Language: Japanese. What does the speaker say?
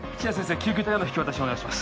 救急隊への引き渡しお願いします